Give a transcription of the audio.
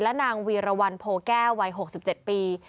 และนางวีรวรรณโพแก้ววัย๖๗ปี